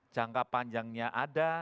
jangka panjangnya ada